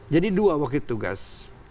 jadi dua wakil tugas